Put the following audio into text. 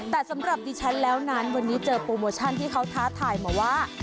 แต่สำหรับดิฉันแล้วนั้นวันนี้เจอโปรโมชั่นที่เขาท้าทายมาว่า